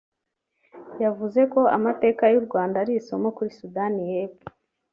yavuze ko amateka y’u Rwanda ari isomo kuri Sudani y’Epfo